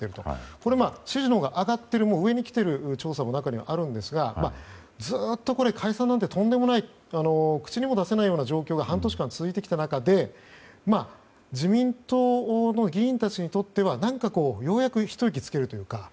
これ、支持のほうが上がっている調査もあるんですがずっと解散なんてとんでもない口にも出せないような状況が半年間、続いてきた中で自民党の議員たちにとっては何かようやくひと息つけるというか。